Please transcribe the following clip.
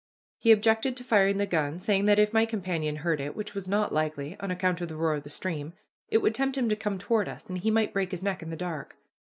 He objected to firing the gun, saying that if my companion heard it, which was not likely, on account of the roar of the stream, it would tempt him to come toward us, and he might break his neck in the dark.